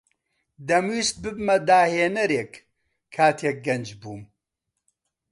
دەمویست ببمە داھێنەرێک کاتێک گەنج بووم.